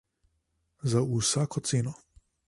Za vsako ceno.